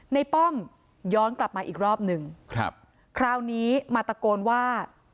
ป้อมย้อนกลับมาอีกรอบหนึ่งครับคราวนี้มาตะโกนว่า